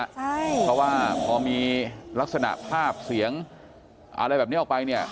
เพราะว่าพอมีลักษณะภาพเสียงอะไรแบบนี้ออกไปเนี่ย